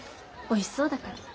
おいしそうだから。